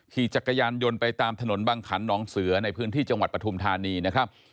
ขี่จักรยานยนต์ไปตามถนนบางขันน้องเสือในพื้นที่จังหวัดปฐุมธานีนะครับ